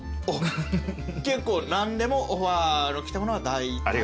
結構何でもオファーの来たものは。